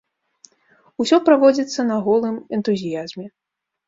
Усё праводзіцца на голым энтузіязме.